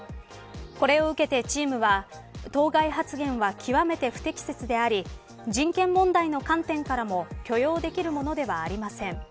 これを受けてチームは当該発言は極めて不適切であり人権問題の観点からも許容できるものではありません。